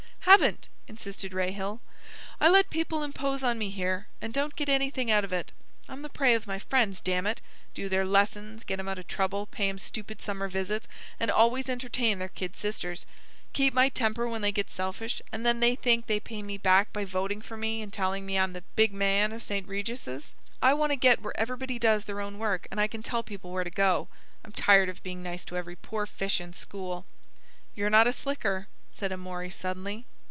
"Haven't," insisted Rahill. "I let people impose on me here and don't get anything out of it. I'm the prey of my friends, damn it—do their lessons, get 'em out of trouble, pay 'em stupid summer visits, and always entertain their kid sisters; keep my temper when they get selfish and then they think they pay me back by voting for me and telling me I'm the 'big man' of St. Regis's. I want to get where everybody does their own work and I can tell people where to go. I'm tired of being nice to every poor fish in school." "You're not a slicker," said Amory suddenly.